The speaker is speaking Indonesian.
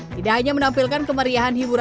tidak hanya menampilkan kemeriahan hiburan